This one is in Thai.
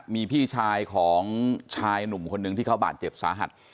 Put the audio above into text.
มีพี่ชายของชายหนุ่มคนหนึ่งที่เขาบาดเจ็บสาหัส